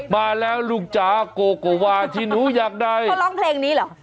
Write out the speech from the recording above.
มาแล้วลูกจ๋าโกโกวาที่หนูอยากได้เขาร้องเพลงนี้เหรอ